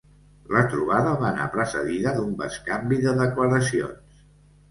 La trobada va anar precedida d’un bescanvi de declaracions.